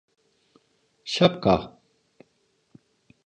Şapka…